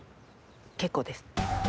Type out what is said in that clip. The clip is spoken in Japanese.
結構です。